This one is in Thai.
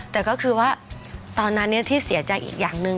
แต่ก็คือว่าตอนนั้นที่เสียใจอีกอย่างหนึ่ง